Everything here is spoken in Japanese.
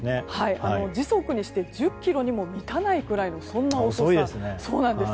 時速にして１０キロにも満たないくらいの遅さなんです。